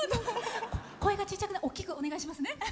声がちっちゃく大きくお願いしますね。